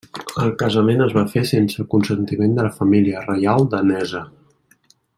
El casament es va fer sense el consentiment de la família reial danesa.